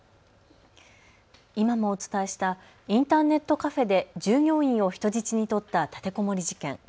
今もお伝えしたインターネットカフェで従業員を人質に取った立てこもり事件。